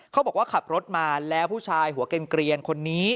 เขาบอกว่าขับรถมาแล้วผู้ชายหัวเกลียนคนนี้